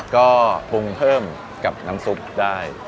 ก็ปรุงเพิ่มกับน้ำซุปได้